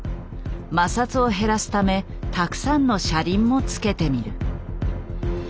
摩擦を減らすためたくさんの車輪もつけてみる。